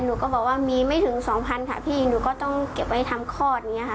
หนูก็บอกว่ามีไม่ถึงสองพันค่ะพี่หนูก็ต้องเก็บไว้ทำคลอดอย่างนี้ค่ะ